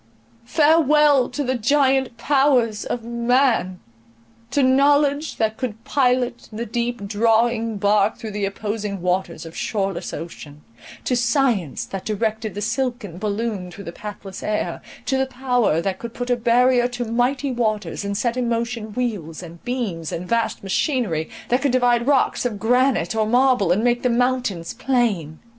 Farewell to the giant powers of man,—to knowledge that could pilot the deep drawing bark through the opposing waters of shoreless ocean,—to science that directed the silken balloon through the pathless air,—to the power that could put a barrier to mighty waters, and set in motion wheels, and beams, and vast machinery, that could divide rocks of granite or marble, and make the mountains plain!